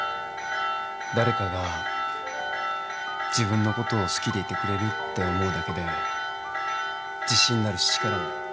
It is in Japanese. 誰かが自分のことを好きでいてくれるって思うだけで自信になるし力になる。